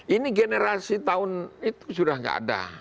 ini generasi tahun itu sudah tidak ada